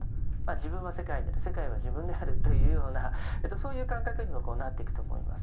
自分は世界であり世界は自分であるというようなそういう感覚にもなっていくと思います。